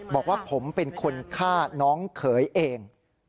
บอกว่าผมเป็นคนฆ่าน้องเขยเอง